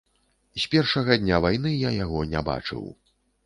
З першага дня вайны я яго не бачыў.